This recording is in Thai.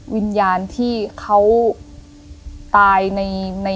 วิญญาณที่เขาตายใน